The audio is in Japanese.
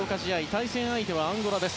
対戦相手はアンゴラです。